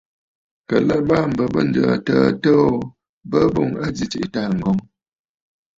Kə̀ à lɛ mbaà m̀bə bə ǹjə̀ə̀ təə təə ò, bəə boŋ a zi tsiꞌì taaŋgɔ̀ŋə̀.